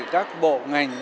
các bộ ngành